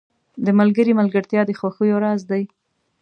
• د ملګري ملګرتیا د خوښیو راز دی.